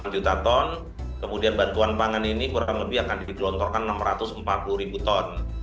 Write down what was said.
delapan juta ton kemudian bantuan pangan ini kurang lebih akan digelontorkan enam ratus empat puluh ribu ton